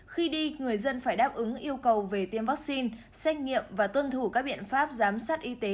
khi đi người dân phải đáp ứng yêu cầu về tiêm vaccine xét nghiệm và tuân thủ các biện pháp giám sát y tế